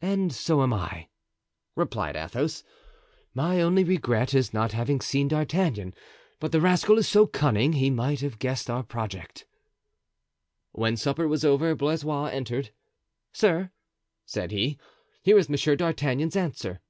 "And so am I," replied Athos; "my only regret is not having seen D'Artagnan; but the rascal is so cunning, he might have guessed our project." When supper was over Blaisois entered. "Sir," said he, "here is Monsieur d'Artagnan's answer."